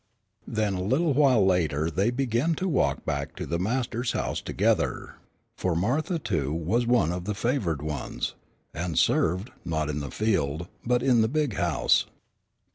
Then a little later they began to walk back to the master's house together, for Martha, too, was one of the favored ones, and served, not in the field, but in the big house.